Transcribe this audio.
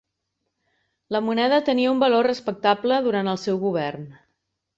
La moneda tenia un valor respectable durant el seu govern.